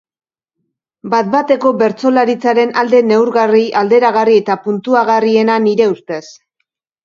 Bat-bateko bertsolaritzaren alde neurgarri, alderagarri eta puntuagarriena, nire ustez.